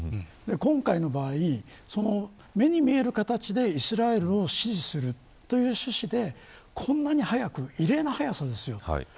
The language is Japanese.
今回の場合目に見える形でイスラエルを支持するという趣旨でこんなに早く異例の早さですよ。